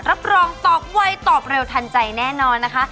รับรองตอบไวตอบเร็วทันใจแน่นอนนะคะ